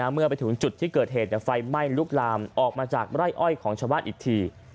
เมื่อไปถึงจุดที่เกิดเหตุไฟไหม้ลุกลามออกมาจากไร่อ้อยของชาวบ้านอีกที